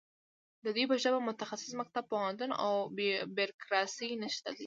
د دوی په ژبه مختص مکتب، پوهنتون او بیرکراسي نشته دی